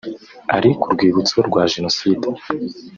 Ari ku rwibutso rwa Jenoside